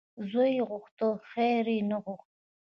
ـ زوی یې غوښت خیر یې نه غوښت .